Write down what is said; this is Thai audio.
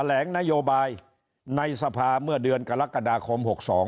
แหลงนโยบายในสภาเมื่อเดือนกรกฎาคม๖๒